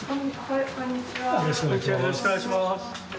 よろしくお願いします。